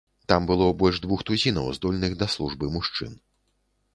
Там было больш двух тузінаў здольных да службы мужчын.